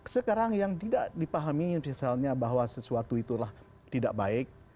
sekarang yang tidak dipahami misalnya bahwa sesuatu itulah tidak baik